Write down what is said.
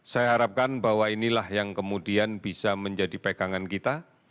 saya harapkan bahwa inilah yang kemudian bisa menjadi pegangan kita